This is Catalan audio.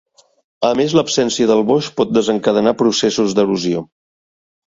A més, l'absència del boix pot desencadenar processos d'erosió.